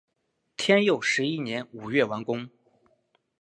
天佑十一年五月完工。